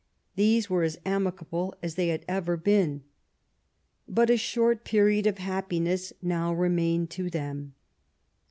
These were as amicable as they had ever been. But a short period of happiness now remained to them.